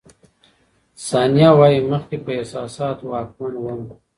ثانیه وايي، مخکې په احساساتو واکمن وم.